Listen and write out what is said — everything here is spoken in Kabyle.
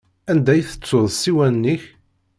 Anda i tettuḍ ssiwan-ik?